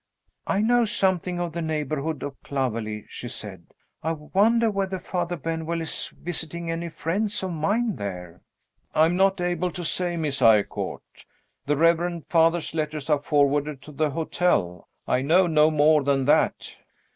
"I know something of the neighborhood of Clovelly," she said. "I wonder whether Father Benwell is visiting any friends of mine there?" "I am not able to say, Miss Eyrecourt. The reverend Father's letters are forwarded to the hotel I know no more than that."